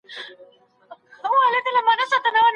لور څنګه د جهنم د اور پرده جوړيږي؟